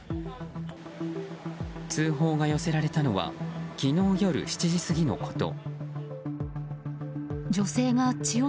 通報が寄せられたのは昨日夜７時過ぎのこと。